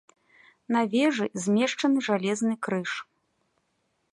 На вежы змешчаны жалезны крыж.